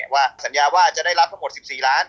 ว่าสัญญาว่าจะได้รับทั้งหมด๑๔ล้าน